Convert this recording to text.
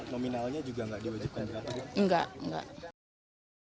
nominalnya juga enggak diwajibkan